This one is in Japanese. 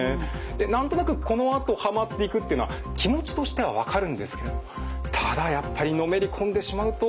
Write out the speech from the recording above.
何となくこのあとはまっていくっていうのは気持ちとしては分かるんですけどただやっぱりのめり込んでしまうとまずいですよね。